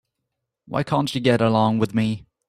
Why can't she get along with me?